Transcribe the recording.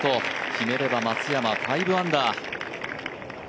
決めれば松山、５アンダー。